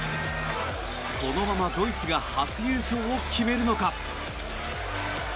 このままドイツが初優勝を決めるのか。